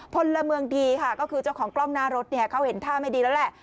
พลเมืองดีค่ะก็คือเจ้าของกล้องหน้ารถเนี่ยเขาเห็นท่าไม่ดีแล้วแหละ